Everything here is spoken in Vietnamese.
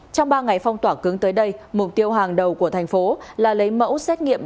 trong ba ngày phong tỏa cứng tới đây mục tiêu hàng đầu của thành phố là lấy mẫu xét nghiệm